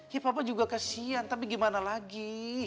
ya papa juga kasian tapi gimana lagi